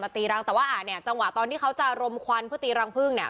ตีรังแต่ว่าอ่าเนี่ยจังหวะตอนที่เขาจะรมควันเพื่อตีรังพึ่งเนี่ย